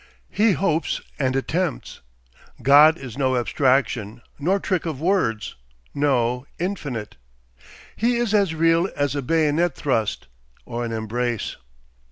He hopes and attempts. ... God is no abstraction nor trick of words, no Infinite. He is as real as a bayonet thrust or an embrace.